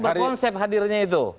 berkonsep hadirnya itu